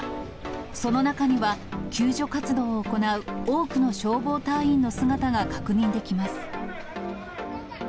その中には救助活動を行う多くの消防隊員の姿が確認できます。